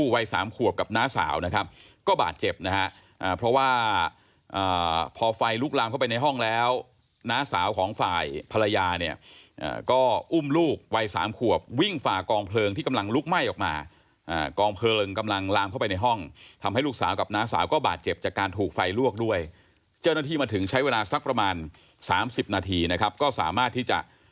วัยสามขวบกับน้าสาวนะครับก็บาดเจ็บนะฮะอ่าเพราะว่าอ่าพอไฟลุกลามเข้าไปในห้องแล้วน้าสาวของฝ่ายภรรยาเนี่ยอ่าก็อุ้มลูกวัยสามขวบวิ่งฝ่ากองเพลิงที่กำลังลุกไหม้ออกมาอ่ากองเพลิงกำลังลามเข้าไปในห้องทำให้ลูกสาวกับน้าสาวก็บาดเจ็บจากการถูกไฟลวกด้วยเจ้าหน้าที่